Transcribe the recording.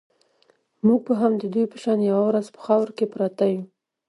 موږ به هم د دوی په شان یوه ورځ په خاورو کې پراته یو.